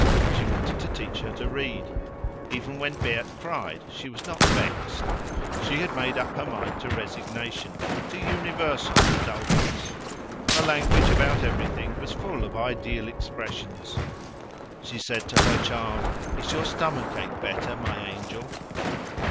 She wanted to teach her to read; even when Berthe cried, she was not vexed. She had made up her mind to resignation, to universal indulgence. Her language about everything was full of ideal expressions. She said to her child, "Is your stomach ache better, my angel?"